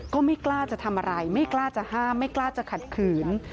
ก็ไม่กล้าจะทำอะไรไม่กล้าจะห้ามไม่กล้าจะขัดขืน